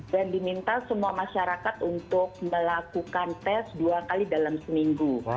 dan diminta semua masyarakat untuk melakukan tes dua kali dalam seminggu